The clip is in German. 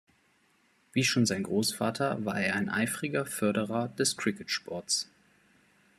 Wie schon sein Großvater war er ein eifriger Förderer des Cricket-Sports.